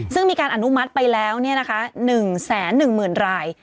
ซึ่งมีการอนุมัติไปแล้ว๑๑๐๐๐ราย